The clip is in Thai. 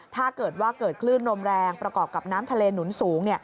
ถ้าเกิดว่าเกิดคลื่นลมแรงประกอบกับน้ำทะเลหนุนสูง